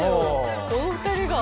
この２人が。